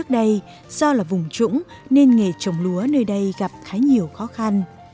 do là vùng trũng nên nghề trồng lúa nơi đây gặp khá nhiều khó khăn